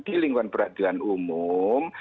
di lingkungan peradilan umum